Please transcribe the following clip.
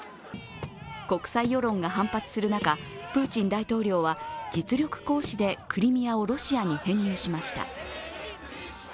国際世論が反発する中、プーチン大統領は実力行使でクリミアをロシアに編入しました。